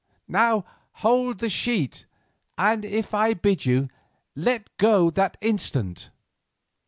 Now hold the sheet, and if I bid you, let go that instant.